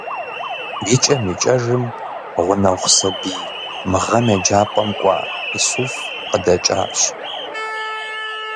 Икӏэм икӏэжым, гъунэгъу сабий - мы гъэм еджапӏэм кӏуа Исуф - къыдэкӏащ.